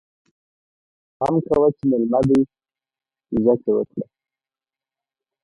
پام کوه چې ميلمه دی، عزت يې وکړه!